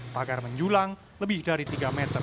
pagar menjulang lebih dari tiga meter